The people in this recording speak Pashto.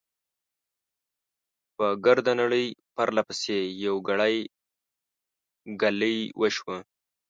په ګرده نړۍ، پرله پسې، يوه ګړۍ، ګلۍ وشوه .